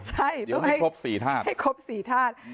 ใช่ต้องให้ครบ๔ทาส